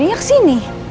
masuk pas deh